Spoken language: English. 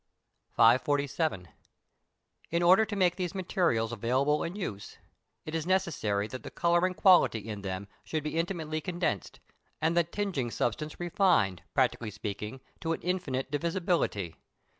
547. In order to make these materials available in use, it is necessary that the colouring quality in them should be intimately condensed, and the tinging substance refined, practically speaking, to an infinite divisibility.